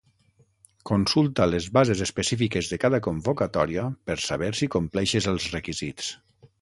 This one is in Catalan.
Consulta les bases específiques de cada convocatòria per saber si compleixes els requisits.